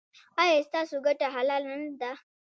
ایا ستاسو ګټه حلاله نه ده؟